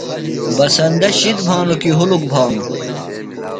بسندہ شِد بھانُوۡ کی ہُلک بھانوۡ؟